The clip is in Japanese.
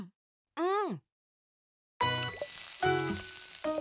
うん！